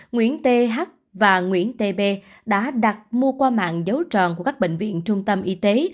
nguyễn th và nguyễn tb đã đặt mua qua mạng dấu tròn của các bệnh viện trung tâm y tế